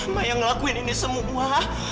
mbak yang ngelakuin ini semua